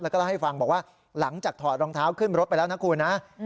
แล้วก็เล่าให้ฟังบอกว่าหลังจากถอดรองเท้าขึ้นรถไปแล้วนะคุณนะ